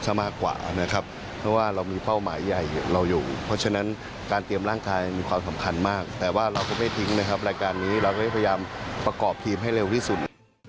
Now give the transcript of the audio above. รายการนี้เราก็จะพยายามประกอบทีมให้เร็วที่สุด